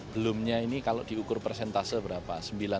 belumnya ini kalau diukur persentase berapa